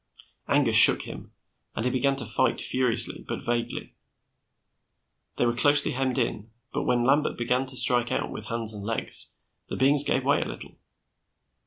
Anger shook him, and he began to fight, furiously but vaguely. They were closely hemmed in, but when Lambert began to strike out with hands and legs, the beings gave way a little.